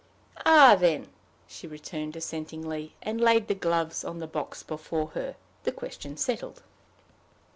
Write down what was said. "Ah, then!" she returned, assentingly, and laid the gloves on the box before her, the question settled.